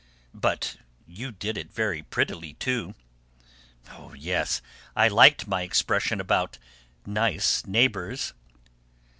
"But you did it very prettily, too." "Yes; I liked my expression about 'nice neighbours.'"